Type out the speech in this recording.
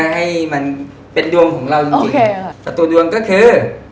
ให้มันเป็นดวงของเราจริงค่ะตัวตัวดวงก็คือโอเค